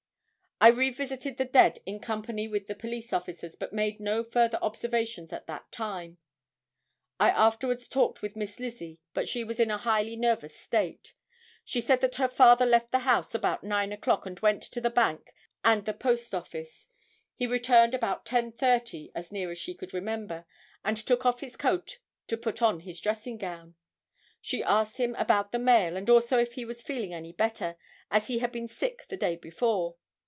I visited the dead in company with the police officers, but made no further observations at that time. I afterwards talked with Miss Lizzie, but she was in a highly nervous state. She said that her father left the house about 9 o'clock and went to the bank and the post office. He returned about 10:30, as near as she could remember, and took off his coat to put on his dressing gown. She asked him about the mail, and also if he was feeling any better, as he had been sick the day before.